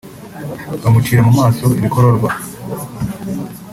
bamucira mu maso ibikororwa